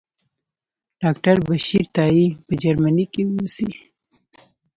ډاکټر بشیر تائي په جرمني کې اوسي.